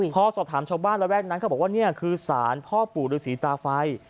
พอสอบถามชาวบ้านระแวกนั้นเขาบอกว่านี่คือสารพ่อปู่ฤษีตาไฟ